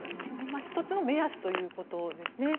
１つの目安ということですね。